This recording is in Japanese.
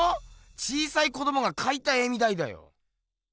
小さい子どもがかいた絵みたいだよ。